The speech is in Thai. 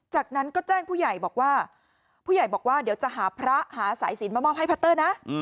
จากนั้นก็แจ้งผู้ใหญ่บอกว่าเดี๋ยวจะหาพระหาสายศีลมามอบให้พัตเตอร์นะ